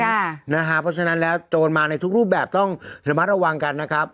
เพราะฉะนั้นแล้วโจรมาในทุกรูปแบบต้องระมัดระวังกันนะครับ